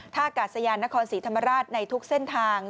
กาศยานนครศรีธรรมราชในทุกเส้นทาง